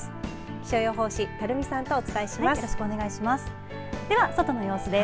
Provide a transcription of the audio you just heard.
気象予報士垂水さんとお伝えします。